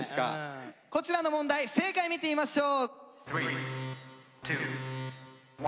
こちらの問題正解見てみましょう。